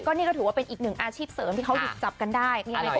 นี่ก็ถือว่าเป็นอีกหนึ่งอาชีพเสริมที่เขาหยุดจับกันได้